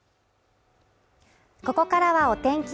ここからはお天気